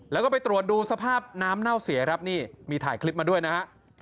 แล้วก็ไปตรวจดูสภาพน้ำเน่าเสียครับนี่มีถ่ายคลิปมาด้วยนะฮะ